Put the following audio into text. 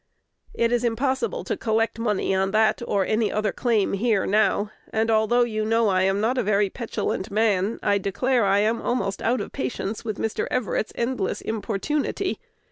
It is impossible to collect money on that or any other claim here now, and, although you know I am not a very petulant man, I declare I am almost out of patience with Mr. Everett's endless importunity.